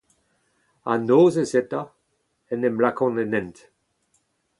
A-nozezh enta en em lakaont en hent.